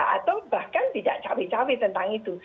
atau bahkan tidak cawi cawi tentang itu